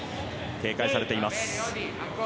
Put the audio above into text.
警戒されています。